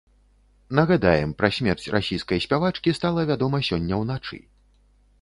Нагадаем, пра смерць расійскай спявачкі стала вядома сёння ўначы.